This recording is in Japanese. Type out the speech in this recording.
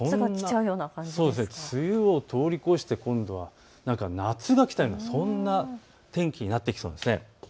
梅雨を通り越して今度は夏が来た、そんな天気になってきそうです。